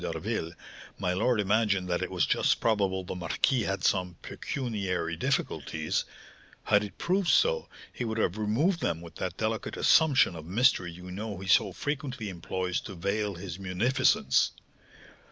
d'Harville, my lord imagined that it was just probable the marquis had some pecuniary difficulties; had it proved so, he would have removed them with that delicate assumption of mystery you know he so frequently employs to veil his munificence.